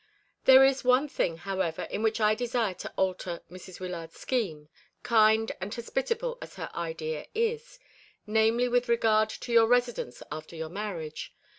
"There is one thing, however, in which I desire to alter Mrs. Wyllard's scheme, kind and hospitable as her idea is namely with regard to your residence after your marriage.